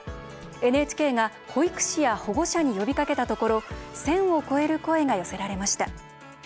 ＮＨＫが保育士や保護者に呼びかけたところ１０００を超える声が寄せられました。